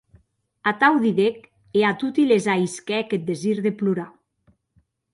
Atau didec, e a toti les ahisquèc eth desir de plorar.